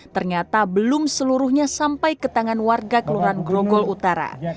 ternyata belum seluruhnya sampai ke tangan warga kelurahan grogol utara